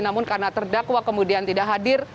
namun karena terdakwa kemudian tidak hadir